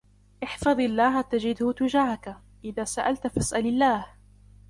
احْفَظِ اللهَ تَجِدْهُ تُجَاهَكَ، إِذَا سَأَلْتَ فَاسْأَلِ اللهَ،